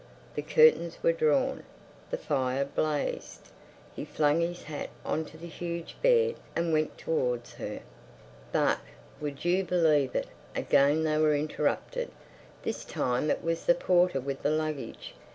The curtains were drawn; the fire blazed. He flung his hat on to the huge bed and went towards her. But—would you believe it!—again they were interrupted. This time it was the porter with the luggage.